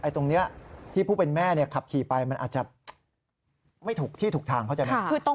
ตรงนี้ที่ผู้เป็นแม่ขับขี่ไปมันอาจจะไม่ถูกที่ถูกทางเข้าใจไหม